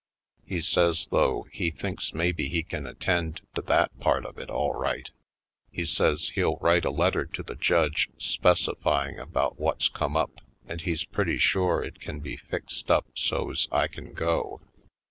He says, though, he thinks maybe he can attend to that part of it all right; he says he'll write a letter to the Judge specifying about what's come up and he's pretty sure it can be fixed up so's I can go.